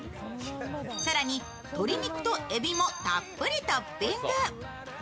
更に鶏肉とえびも、たっぷりトッピング。